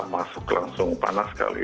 masuk langsung panas sekali